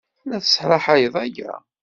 La tesraḥayed aya?